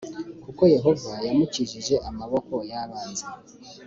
kuko Yehova yamukijije amaboko y abanzi